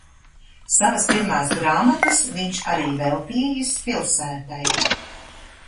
Savas pirmās grāmatas viņš arī veltījis pilsētai.